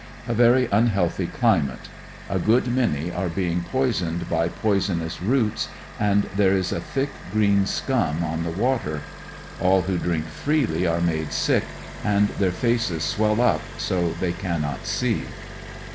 A very unhealthy climate. A good many are being poisoned by poisonous roots, and there is a thick green scum on the water All who drink freely are made sick, anfl their faces swell up so they cannot see.